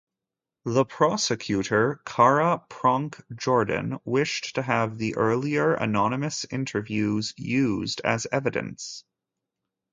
The Prosecutor Cara Pronk-Jordan wished to have the earlier anonymous interviews used as evidence.